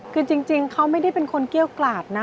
คือจริงเขาไม่ได้เป็นคนเกี้ยวกลาดนะ